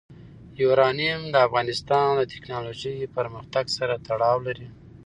یورانیم د افغانستان د تکنالوژۍ پرمختګ سره تړاو لري.